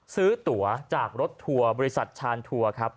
ตัวจากรถทัวร์บริษัทชานทัวร์ครับ